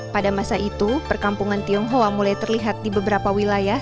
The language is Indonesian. pada masa itu perkampungan tionghoa mulai terlihat di beberapa wilayah